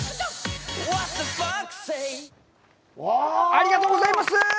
ありがとうございます。